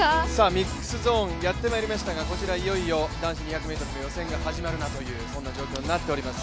ミックスゾーンやってまいりましたが、こちらはいよいよ男子２００ｍの予選が始まるなというそんな状態になっています。